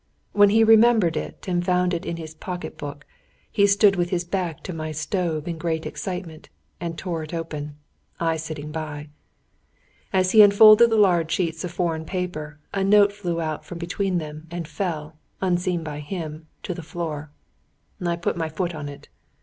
"When he remembered it and found it in his pocket book, he stood with his back to my stove, in great excitement, and tore it open; I sitting by. "As he unfolded the large sheets of foreign paper, a note flew out from between them, and fell, unseen by him, to the floor. "I put my foot on it.